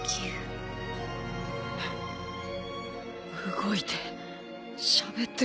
動いてしゃべってる。